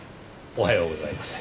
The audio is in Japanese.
おはようございます。